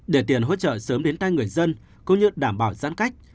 để tiền hỗ trợ sớm đến tay người dân cũng như đảm bảo giãn cách